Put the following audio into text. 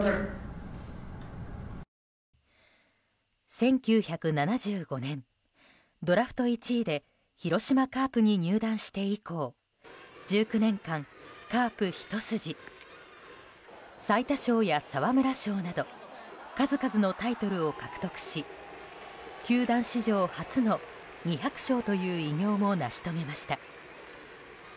１９７５年、ドラフト１位で広島カープに入団して以降１９年間、カープひと筋。最多勝や沢村賞など数々のタイトルを獲得し球団史上初の２００勝という偉業も成し遂げました。